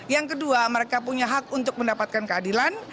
yang kedua mereka punya hak untuk mendapatkan keadilan